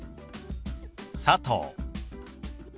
「佐藤」。